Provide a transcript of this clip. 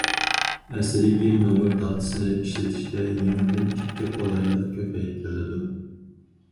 ئەسلىدىكى نومۇر تاختىسىنى ئىشلىتىشتە يېڭىدىن« ئىككى قولايلىق» كۆپەيتىلىدۇ.